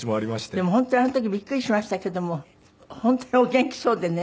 でも本当にあの時びっくりしましたけども本当にお元気そうでね。